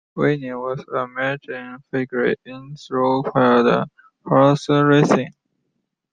Whitney was a major figure in thoroughbred horse racing.